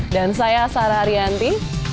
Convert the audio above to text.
dan saya sarah ariyanti